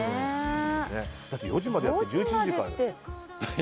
だって、４時までやって１１時から。